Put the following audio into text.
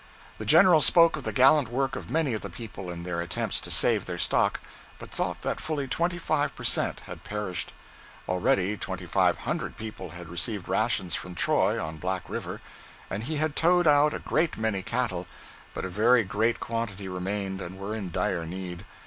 The General spoke of the gallant work of many of the people in their attempts to save their stock, but thought that fully twenty five per cent. had perished. Already twenty five hundred people had received rations from Troy, on Black River, and he had towed out a great many cattle, but a very great quantity remained and were in dire need.